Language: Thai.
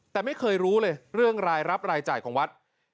แต่ไม่เคยรู้เลยเรื่องรายรับรายจ่ายของวัด